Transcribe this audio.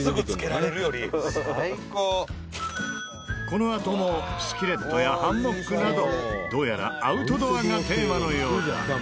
このあともスキレットやハンモックなどどうやらアウトドアがテーマのようだ。